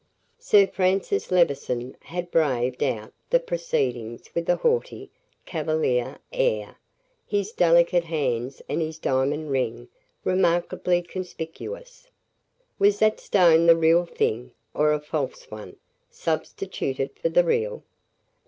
Sir Francis Levison had braved out the proceedings with a haughty, cavalier air, his delicate hands and his diamond ring remarkably conspicuous. Was that stone the real thing, or a false one, substituted for the real?